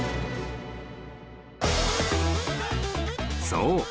［そう。